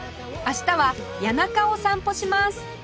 明日は谷中を散歩します